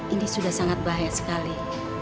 ini sudah sangat bahaya sekali